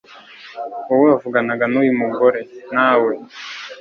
wowe wavuganaga n uyu mugore Na we